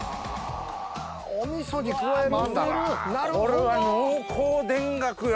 これは濃厚田楽よ。